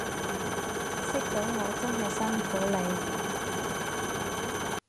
識到我真係辛苦你